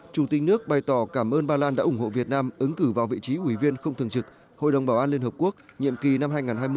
chủ tịch nước bày tỏ cảm ơn ba lan đã ủng hộ việt nam ứng cử vào vị trí ủy viên không thường trực hội đồng bảo an liên hợp quốc nhiệm kỳ năm hai nghìn hai mươi hai nghìn hai mươi một